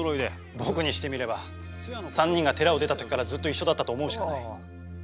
僕にしてみれば３人が寺を出た時からずっと一緒だったと思うしかない。